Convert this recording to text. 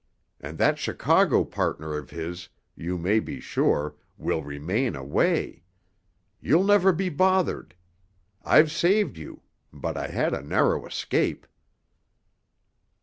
And that Chicago partner of his, you may be sure, will remain away. You'll never be bothered. I've saved you—but I had a narrow escape."